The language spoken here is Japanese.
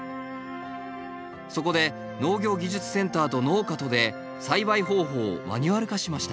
そこで農業技術センターと農家とで栽培方法をマニュアル化しました。